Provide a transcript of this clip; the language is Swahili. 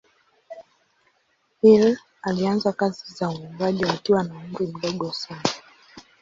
Hill alianza kazi za uimbaji wakiwa na umri mdogo sana.